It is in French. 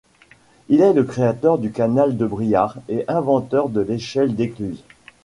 Il est le créateur du canal de Briare, et inventeur de l'échelle d'écluse.